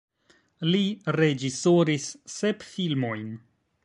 Li reĝisoris sep filmojn.